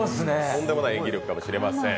とんでもない演技力かもしれません。